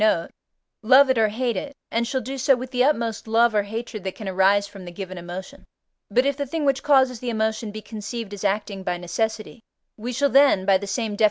note) love it or hate it, and shall do so with the utmost love or hatred that can arise from the given emotion. But if the thing which causes the emotion be conceived as acting by necessity, we shall then (by the same Def.